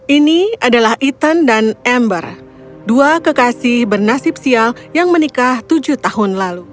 ini adalah ethan dan ember dua kekasih bernasib sial yang menikah tujuh tahun lalu